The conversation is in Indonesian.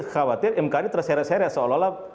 khawatir mkd terseret seret seolah olah